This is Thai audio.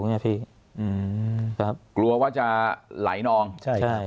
อ่ะพี่อืมครับกลัวว่าจะไหลนองใช่ใช่